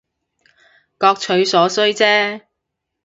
各取所需姐